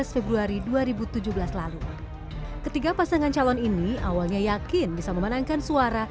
februari dua ribu tujuh belas lalu ketiga pasangan calon ini awalnya yakin bisa memenangkan suara